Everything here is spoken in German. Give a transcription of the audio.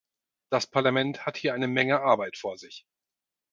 Das Parlament hat hier eine Menge Arbeit vor sich.